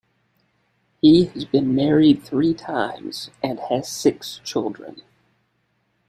He has been married three times, and has six children.